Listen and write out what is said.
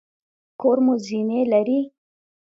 کور مو زینې لري؟